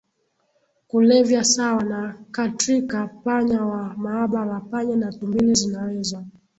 kulevya sawa na katrika panya wa maabara panya na tumbili zinaweza